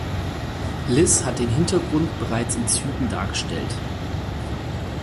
Liz hat den Hintergrund bereits in Zügen dargestellt.